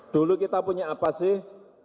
dulu kita punya apa sih